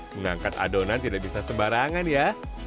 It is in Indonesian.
mengangkat adonan tidak bisa sembarangan ya